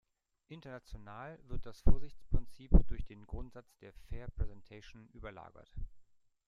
International wird das Vorsichtsprinzip durch den Grundsatz der „Fair presentation“ überlagert.